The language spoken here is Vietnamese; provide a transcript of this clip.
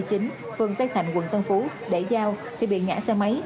phường tây thành quận tân phú để giao thì bị ngã xe máy